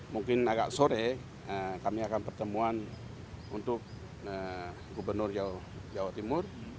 mungkin agak sore kami akan pertemuan untuk gubernur jawa timur